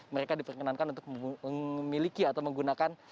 mereka diperkenankan untuk memiliki atau menggunakan